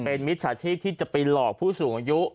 เป็นมิจฉาชีพที่จะไปหลอกผู้สูงอายุ